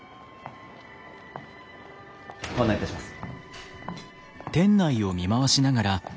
ご案内いたします。